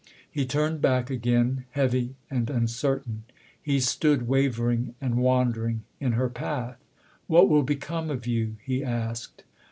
He turned back again, heavy and uncertain ; he stood wavering and wondering in her path. " What will become of you ?" he asked.